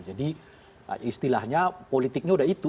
jadi istilahnya politiknya udah itu